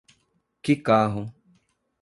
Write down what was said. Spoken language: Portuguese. Que carro!